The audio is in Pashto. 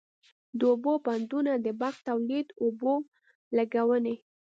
د اوبو بندونه د برق تولید، اوبو لګونی،